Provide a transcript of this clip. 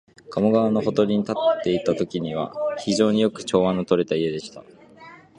加茂川のほとりに建っていたときは、非常によく調和のとれた家でした